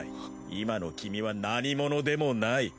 今の君は何者でもない。